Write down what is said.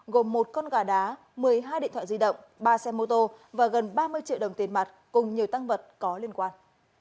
gồm một con gà đá một mươi hai điện thoại di động ba xe mô tô và gần ba mươi triệu đồng tiền mặt cùng nhiều tăng vật có liên quan